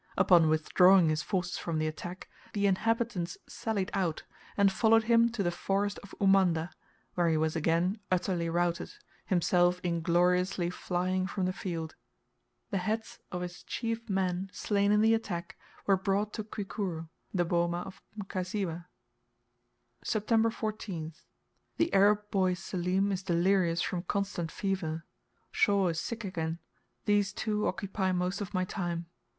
Upon withdrawing his forces from the attack, the inhabitants sallied out, and followed him to the forest of Umanda, where he was again utterly routed, himself ingloriously flying from the field. The heads of his chief men slain in the attack were brought to Kwikuru, the boma of Mkasiwa. September 14th. The Arab boy Selim is delirious from constant fever. Shaw is sick again. These two occupy most of my time.